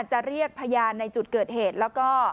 จะเรียกพยานในจุดเกิดเหตุแล้วก็